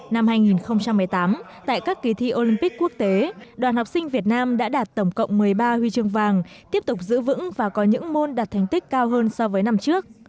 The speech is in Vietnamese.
năm hai nghìn một mươi tám tại các kỳ thi olympic quốc tế đoàn học sinh việt nam đã đạt tổng cộng một mươi ba huy chương vàng tiếp tục giữ vững và có những môn đạt thành tích cao hơn so với năm trước